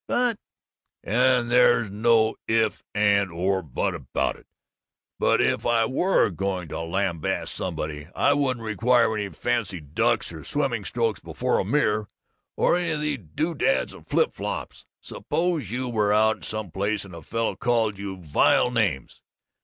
"But " "And there's no If, And or But about it! But if I were going to lambaste somebody, I wouldn't require any fancy ducks or swimming strokes before a mirror, or any of these doodads and flipflops! Suppose you were out some place and a fellow called you vile names.